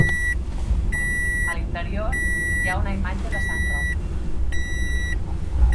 A l'interior hi ha una imatge de Sant Roc.